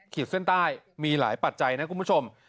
ขีดเส้นใต้มีหลายปัจจัยนะคุณผู้ชม